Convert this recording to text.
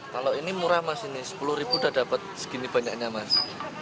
kalau ini murah mas ini sepuluh ribu sudah dapat segini banyaknya mas